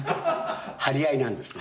張り合いなんですね。